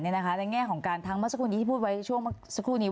ในแง่ของการทั้งเมื่อสักครู่นี้ที่พูดไว้ช่วงสักครู่นี้